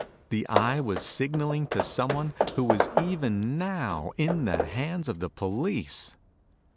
The Eye was signaling to someone who was even now in the hands of the police!